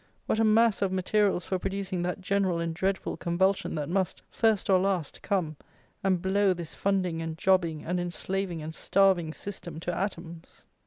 What a mass of materials for producing that general and dreadful convulsion that must, first or last, come and blow this funding and jobbing and enslaving and starving system to atoms!